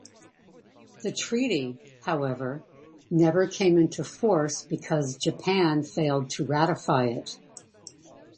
The treaty, however, never came into force because Japan failed to ratify it.